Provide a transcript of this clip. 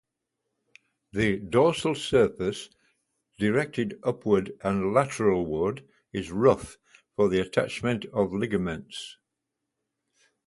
The dorsal surface, directed upward and lateralward, is rough, for the attachment of ligaments.